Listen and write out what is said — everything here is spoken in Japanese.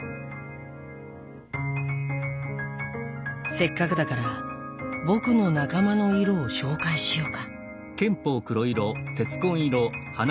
せっかくだから僕の仲間の色を紹介しようか。